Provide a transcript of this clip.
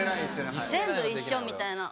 全部一緒みたいな。